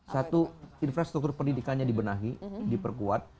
satu infrastruktur pendidikannya dibenahi diperkuat